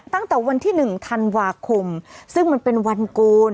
ตั้งแต่วันที่๑ธันวาคมซึ่งมันเป็นวันโกน